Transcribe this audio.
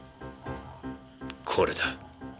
これだ。